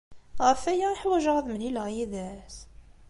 Ɣef waya i ḥwajeɣ ad mlileɣ yid-s?